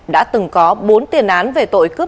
đã từng có bốn tiền án về tội cướp